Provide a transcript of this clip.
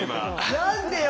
何でよ！